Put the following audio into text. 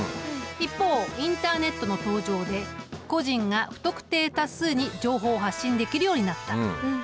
一方インターネットの登場で個人が不特定多数に情報を発信できるようになった。